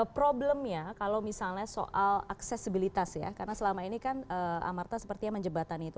problemnya kalau misalnya soal aksesibilitas ya karena selama ini kan amarta sepertinya menjebatan itu